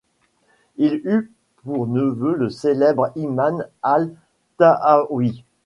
Il eut pour neveu le célèbre imam Al-Tahawi.